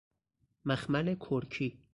مخمل کرکی